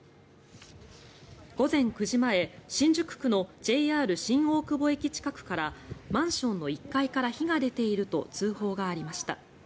午前９時前新宿区のＪＲ新大久保駅近くからマンションの１階から火が出ていると通報がありました。